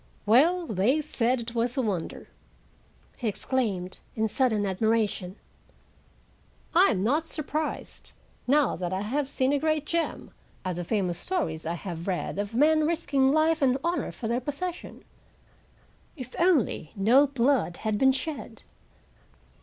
"Well, they said it was a wonder!" he exclaimed, in sudden admiration. "I am not surprised, now that I have seen a great gem, at the famous stories I have read of men risking life and honor for their possession. If only no blood had been shed!"